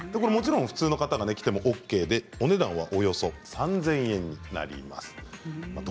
もちろん普通の方たちでもＯＫでお値段はおよそ３０００円になります。